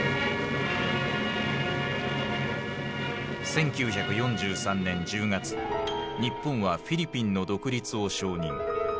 １９４３年１０月日本はフィリピンの独立を承認。